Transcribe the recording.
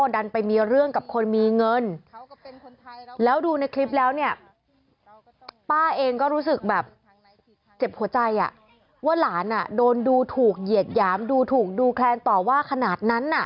ดูถูกเหยียดหยามดูถูกดูแคลนต่อว่าขนาดนั้นน่ะ